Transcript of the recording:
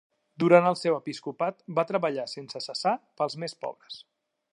Durant el seu episcopat, va treballar sense cessar pels més pobres.